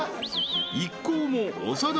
［一行も］